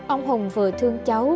ông hùng vừa thương cháu